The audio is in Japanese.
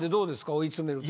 追い詰めるって。